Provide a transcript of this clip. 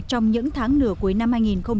trong những tháng nửa cuối năm hai nghìn hai mươi